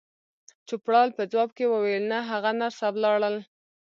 چوپړوال په ځواب کې وویل: نه، هغه نرسه ولاړل.